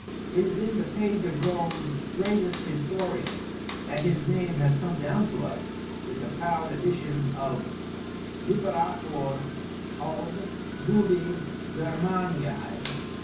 It is in the page of Rome's greatest historian, that his name has come down to us with the proud addition of "Liberator haud dubie Germaniae."